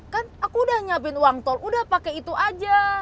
kan aku udah nyiapin uang tol udah pakai itu aja